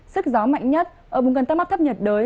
sức gió mạnh nhất ở vùng gần tâm áp thấp nhiệt đới